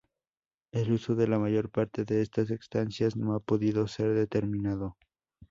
El uso de la mayor parte de estas estancias no ha podido ser determinado.